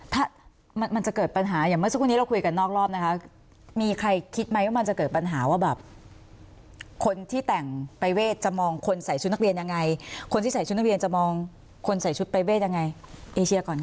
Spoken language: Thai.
ถ้ามันจะเกิดปัญหาอย่างเมื่อสักวันนี้เราคุยกันนอกรอบนะคะมีใครคิดไหมว่ามันจะเกิดปัญหาว่าแบบคนที่แต่งประเวทจะมองคนใส่ชุดนักเรียนยังไงคนที่ใส่ชุดนักเรียนจะมองคนใส่ชุดปรายเวทยังไงเอเชียก่อนค่ะ